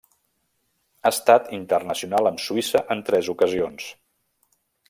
Ha estat internacional amb Suïssa en tres ocasions.